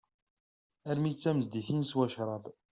Armi d-tameddit, i neswa crab.